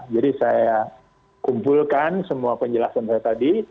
jadi saya kumpulkan semua penjelasan saya tadi